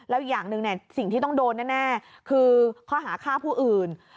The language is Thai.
แล้วอย่างหนึ่งสิ่งที่ต้องโดนแน่คือข้อหาฆ่าผู้อื่น